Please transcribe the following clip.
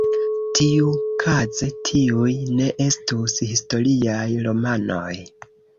Tiukaze tiuj ne estus historiaj romanoj.